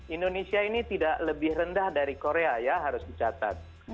indonesia ini tidak lebih rendah dari korea ya harus dicatat